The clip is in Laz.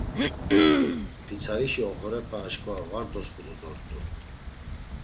Pitsarişi oxorepe aşǩva var dosǩudu dort̆u.